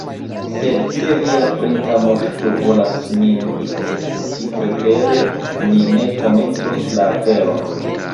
Sed se via princa moŝto volas min ekzekuti, prefere ni ne komencos la aferon.